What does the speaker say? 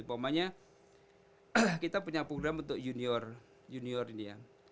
pokoknya kita punya program untuk junior ini ya